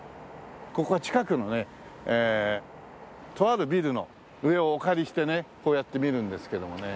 ここは近くのねとあるビルの上をお借りしてねこうやって見るんですけどもね。